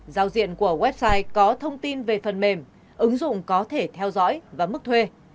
giao diện của website có thông tin về phần mềm ứng dụng có thể theo dõi và mức thuê